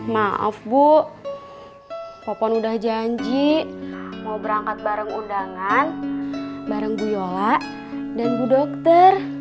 maaf bu papan udah janji mau berangkat bareng undangan bareng guyola dan bu dokter